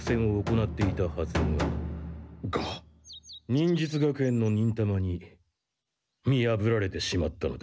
忍術学園の忍たまに見やぶられてしまったのだ。